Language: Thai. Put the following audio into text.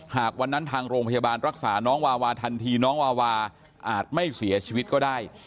หากวันนั้นทางโรงพยาบาลรักษาน้องวาวาทันทีน้องวาวาอาจไม่เสียชีวิตก็ได้